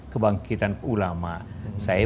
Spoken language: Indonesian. kebangkitan ulama saya